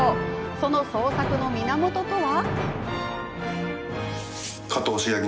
その創作の源とは？